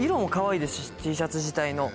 Ｔシャツ自体の。